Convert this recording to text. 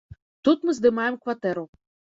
Тут мы здымаем кватэру.